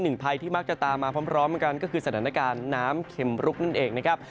ภัยที่มักจะตามมาพร้อมกันก็คือสถานการณ์น้ำเข็มรุกนั่นเองนะครับ